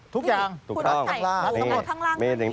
ถูกต้อง